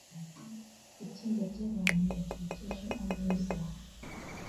Itsinda ryabantu bakikije ameza